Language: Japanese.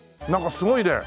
すごいね。